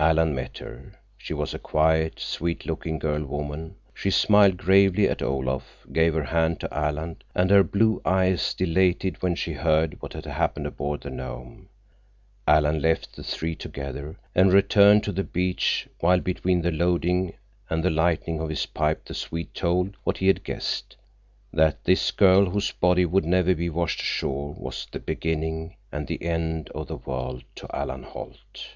Alan met her. She was a quiet, sweet looking girl woman. She smiled gravely at Olaf, gave her hand to Alan, and her blue eyes dilated when she heard what had happened aboard the Nome. Alan left the three together and returned to the beach, while between the loading and the lighting of his pipe the Swede told what he had guessed—that this girl whose body would never be washed ashore was the beginning and the end of the world to Alan Holt.